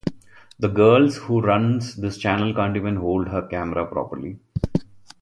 The girls who runs this channel can't even hold her camera properly.